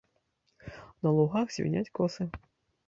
На лугах звіняць косы.